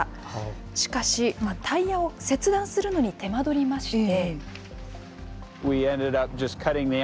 しかし、タイヤを切断するのに手間取りまして。